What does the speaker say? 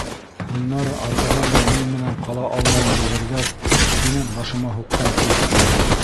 — Гөлнара артабан да минең менән ҡала алмауын белдергәс, кинәт башыма һуҡҡан кеүек булды.